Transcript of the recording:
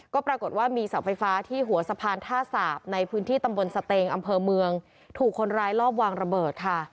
ก็ปรากฏว่ามีเสาไฟฟ้าที่หัวสะพานท่าสาปในพื้นที่ตำบลสเตงอำเภอเมืองถูกคนร้ายรอบวางระเบิดค่ะ